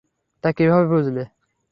তা কীভাবে বুঝলে?